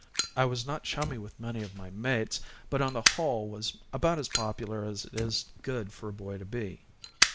I was not chummy with many of my mates, but, on the whole, was about as popular as it is good for a boy to be.